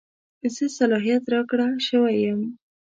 زه صلاحیت راکړه شوی یم.